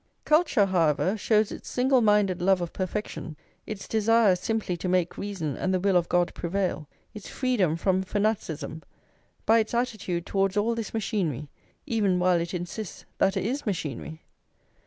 Culture, however, shows its single minded love of perfection, its desire simply to make reason and the will of God prevail, its freedom from fanaticism, by its attitude towards all this machinery, even while it insists that it is machinery.